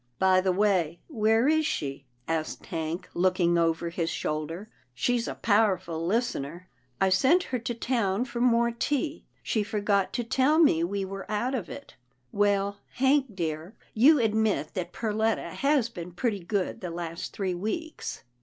By the way, where is she ?" asked Hank, look ing over his shoulder, " she's a powerful lis tener." " I sent her to town for more tea. She forgot to tell me we were out of it — Well, Hank dear, you admit that Perletta has been pretty good the last three weeks."